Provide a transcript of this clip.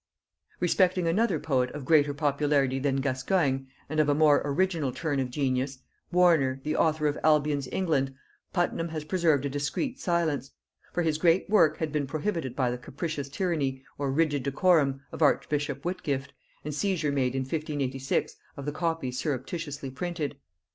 Respecting another poet of greater popularity than Gascoigne, and of a more original turn of genius, Warner, the author of Albion's England, Puttenham has preserved a discreet silence; for his great work had been prohibited by the capricious tyranny, or rigid decorum, of archbishop Whitgift, and seizure made in 1586 of the copies surreptitiously printed.